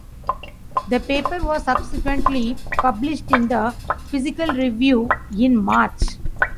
The paper was subsequently published in the "Physical Review" in March.